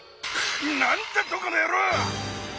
何だとこの野郎！